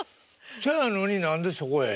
そやのに何でそこへ？